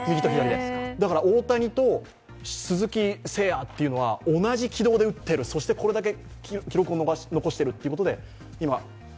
だから大谷と鈴木誠也が同じ軌道で打っている、そしてこれだけ記録を伸ばしているということで。